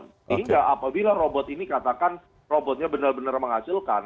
sehingga apabila robot ini katakan robotnya benar benar menghasilkan